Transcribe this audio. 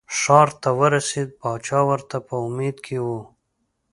ښار ته ورسېده پاچا ورته په امید کې و.